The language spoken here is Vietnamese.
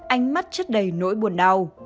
ánh mắt chất đầy nỗi buồn đau